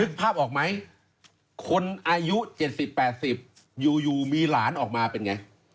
ภาพออกไหมคนอายุ๗๐๘๐อยู่มีหลานออกมาเป็นไง